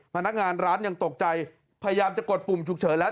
พนักงานร้านยังตกใจพยายามจะกดปุ่มฉุกเฉินแล้ว